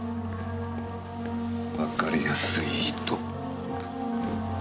わかりやすい人。